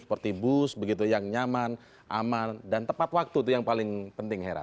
seperti bus begitu yang nyaman aman dan tepat waktu itu yang paling penting hera